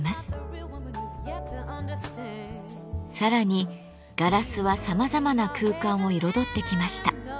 さらにガラスはさまざまな空間を彩ってきました。